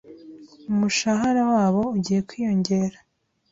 Umushahara wabo ugiye kwiyongera,